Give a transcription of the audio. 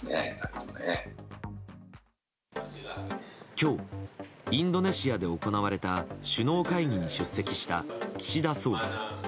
今日、インドネシアで行われた首脳会議に出席した岸田総理。